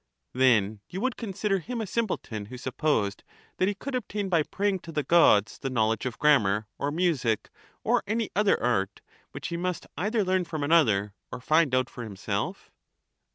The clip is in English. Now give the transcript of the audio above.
Then you would consider him a simpleton who supposed that he could obtain by praying to the Gods the knowledge of grammar or music or any other art, which he must either learn from another or find out for himself?